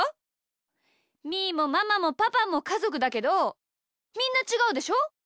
みーもママもパパもかぞくだけどみんなちがうでしょ？